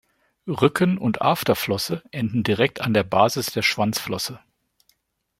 Rücken- und Afterflosse enden direkt an der Basis der Schwanzflosse.